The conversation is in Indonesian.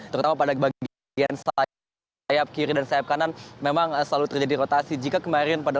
terutama pada bagian sayap kiri dan sayap kanan memang selalu terjadi rotasi